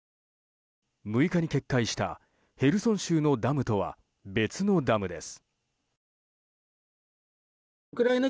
６日に決壊したヘルソン州のダムとは別のダムです。